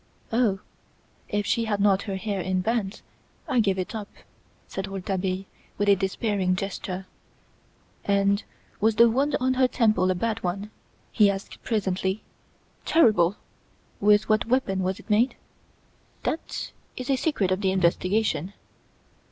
"Oh! if she had not her hair in bands, I give it up," said Rouletabille, with a despairing gesture. "And was the wound on her temple a bad one?" he asked presently. "Terrible." "With what weapon was it made?" "That is a secret of the investigation."